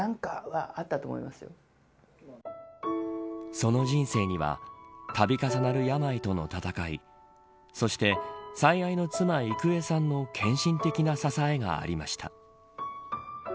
その人生には度重なる病との闘いそして、最愛の妻郁恵さんの献身的な支えがありました。